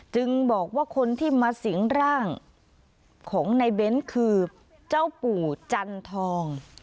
จึงบอกว่าคนที่มาสิงร่างของในเบ้นคือเจ้าปู่จันทอง